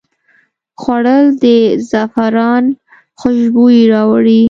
خوړل د زعفران خوشبويي راوړي